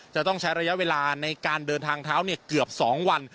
จะต้องใช้ระยะเวลาในการเดินทางเท้าเกือบ๒วัน